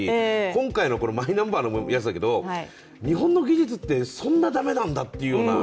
今回のマイナンバーのやつだけど、日本の技術ってそんなだめなんだっていうような。